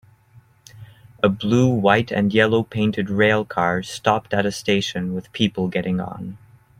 A blue white and yellow painted rail car stopped at a station with people getting on